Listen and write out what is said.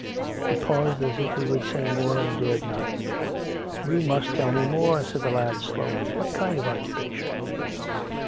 He paused, as if he would say more and dared not. " You must teU me more," said the lad slowly. " What kind of occupation